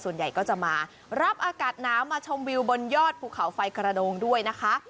ส่วนใหญ่ก็จะมารับอากาศหนาวมาชมวิวบนยอดภูเขาไฟกระโดงด้วยนะคะ